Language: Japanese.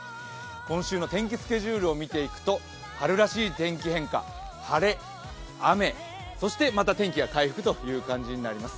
今週の天気スケジュールを見ていくと、春らしい天気変化、晴れ、雨、そしてまた天気が回復という感じになります。